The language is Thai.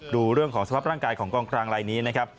ดูเรื่องของสภาพร่างกายของกองกลางลายนี้นะครับ